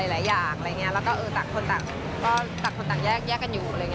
แล้วก็ตากคนแยกกันอยู่